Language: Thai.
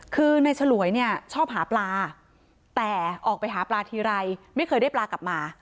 คือในฉลวยเนี่ยชอบหาปลาแต่ออกไปหาปลาทีไรไม่เคยได้ปลากลับมา